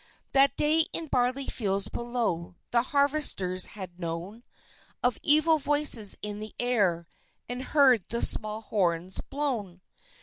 That day, in barley fields below, the harvesters had known Of evil voices in the air, and heard the small horns blown.